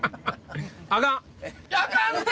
あかんて！